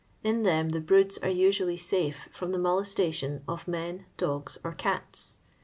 In them the broods are usually safe from the molestation of men, dogs, or cats.